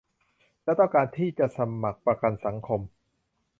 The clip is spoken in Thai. และต้องการที่จะสมัครประกันสังคม